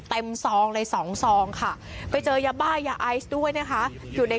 เต็มซองเลย๒ซองค่ะไปเจอยาบ้ายยาไอซ์ด้วยนะคะ